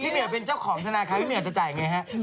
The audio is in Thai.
พี่เหนียวเป็นเจ้าของนาคารพี่เหนียวจะจ่ายอย่างไรครับ